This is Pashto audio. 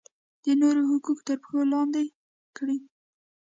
د نورو حقوق تر پښو لاندې کړي.